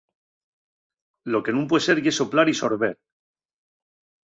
Lo que nun pue ser ye soplar y sorber.